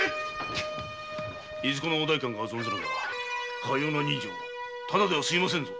いずこのお代官かは存ぜぬがかような刃傷ただでは済みませんぞ！